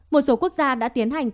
một số quốc gia đã tiến hành